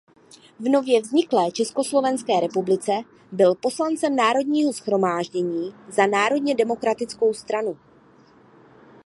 V nově vzniklé Československé republice byl poslancem Národního shromáždění za národně demokratickou stranu.